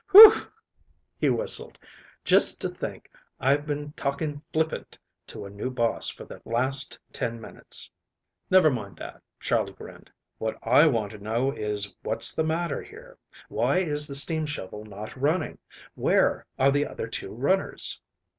"Whew!" he whistled, "just to think I've been talking flippant to a new boss for the last ten minutes." "Never mind that," Charley grinned. "What I want to know is what's the matter here? Why is the steam shovel not running? Where are the other two runners?"